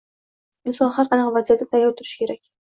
Inson har qanday vaziyatga tayyor turishi kerak